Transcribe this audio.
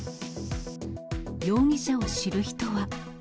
容疑者を知る人は。